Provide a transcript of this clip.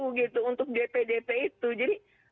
bukan itu gitu untuk dp dp itu jadi